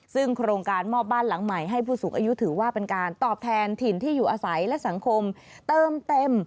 ซึ่งโครงการมอบบ้านหลังใหม่ให้ผู้สูงอายุถือว่าเป็นการตอบแทนถิ่นที่อยู่อาศัยและสังคมเติมเต็ม